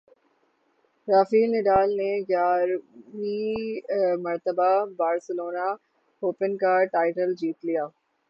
Rafael Nadal نے گیارہویں مرتبہ بارسلونا اوپن کا ٹائٹل جیت لیا